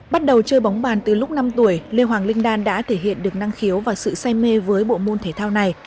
bắt đầu chơi bóng bàn từ lúc năm tuổi lê hoàng linh đan đã thể hiện được năng khiếu và sự say mê với bộ môn thể thao này